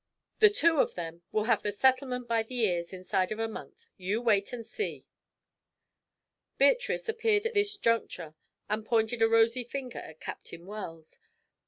The two of them will have the settlement by the ears inside of a month you wait and see." Beatrice appeared at this juncture and pointed a rosy finger at Captain Wells.